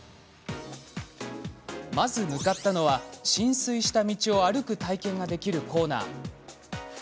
まず向かったのは、浸水した道を歩く体験ができるコーナー。